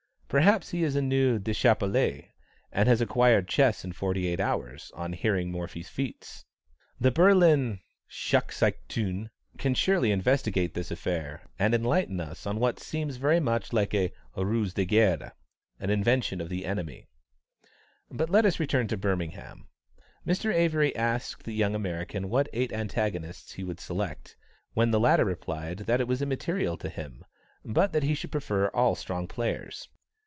Perhaps he is a new Deschappelles, and has acquired chess in forty eight hours, on hearing of Morphy's feats. The Berlin Schackzeitung can surely investigate this affair, and enlighten us on what seems very much like a ruse de guerre an invention of the enemy. But let us return to Birmingham. Mr. Avery asked the young American what eight antagonists he would select; when the latter replied that it was immaterial to him, but that he should prefer all strong players.